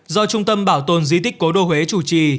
do trung tâm bảo tồn di tích cố đô huế chủ trì